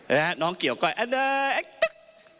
แล้วน้องเกี่ยวก็อันดังตึ๊ก